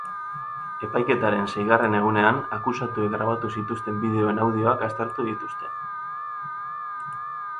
Epaiketaren seigarren egunean, akusatuek grabatu zituzten bideoen audioak aztertu dituzte.